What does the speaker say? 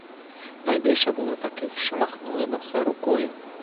Найбільше було таких, що махнули на все рукою.